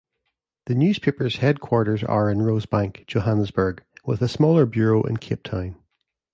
The newspaper's headquarters are in Rosebank, Johannesburg, with a smaller bureau in Cape Town.